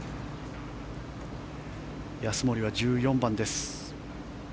安森は１４番です。